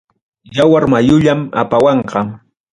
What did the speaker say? Yawar mayullam apawanqa.